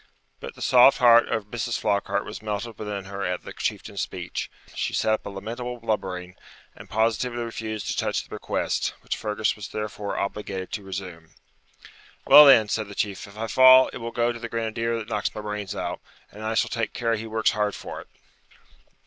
But the soft heart of Mrs. Flockhart was melted within her at the Chieftain's speech; she set up a lamentable blubbering, and positively refused to touch the bequest, which Fergus was therefore obliged to resume. 'Well, then,' said the Chief, 'if I fall, it will go to the grenadier that knocks my brains out, and I shall take care he works hard for it.'